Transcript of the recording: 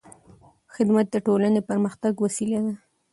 خدمت د ټولنې د پرمختګ وسیله ده.